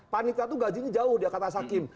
panitra tuh gajinya jauh dia kata sakim